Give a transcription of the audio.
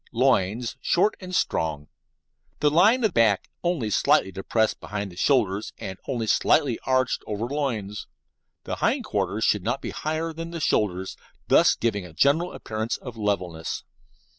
Loins short and strong. The line of back only slightly depressed behind shoulders and only slightly arched over loins. The hind quarters should not be higher than the shoulders, thus giving a general appearance of levelness.